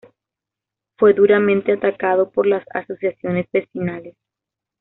Fue duramente atacado por las Asociaciones Vecinales.